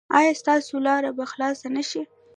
ایا ستاسو لارې به خلاصې نه شي؟